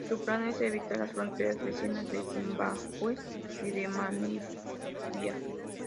Su plan es evitar las fronteras vecinas de Zimbabue y de Namibia.